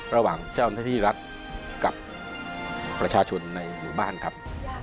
ระหว่างเจ้าหน้าที่รัฐกับประชาชนในหมู่บ้านครับ